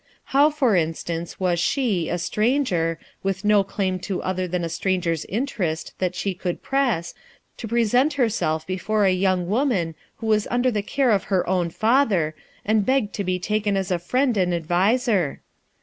How, for instance, was she, a stranger, with no claim to other than a fit ranger's interest that she could press, to present herself before a young woman who was under the care of her own father, and beg to be taken as a friend and adviser?